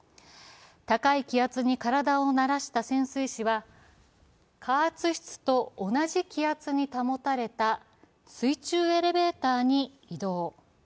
高い気圧に体を鳴らした潜水士は加圧質と同じ気圧に保たれた水中エレベーターに移動。